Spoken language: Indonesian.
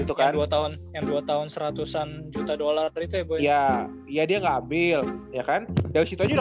itu kan dua tahun dua tahun ratusan juta dollar dari tawayah iya dia ambil ya kan ya situ saja